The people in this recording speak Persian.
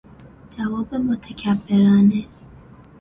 جواب متکبرانه